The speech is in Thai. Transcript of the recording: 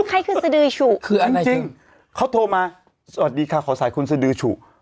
ใครคือสดื้อฉุเป็นจริงเขาโทรมาสวัสดีค่ะขออัสดีคุณสดื้อฉุ